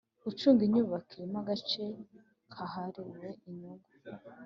Ucunga inyubako irimo agace kahariwe inyungu